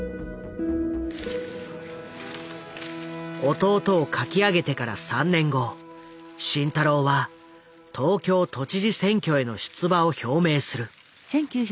「弟」を書き上げてから３年後慎太郎は東京都知事選挙への出馬を表明する。